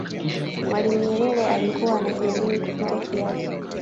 mwalimu nyerere alikuwa anajiamini kupita kiasi